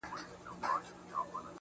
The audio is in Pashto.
ه بيا دي سترگي سرې ښكاريږي,